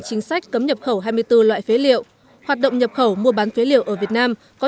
chính sách cấm nhập khẩu hai mươi bốn loại phế liệu hoạt động nhập khẩu mua bán phế liệu ở việt nam có